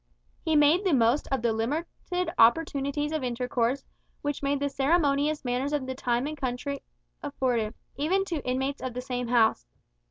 He made the most of the limited opportunities of intercourse which the ceremonious manners of the time and country afforded, even to inmates of the same house.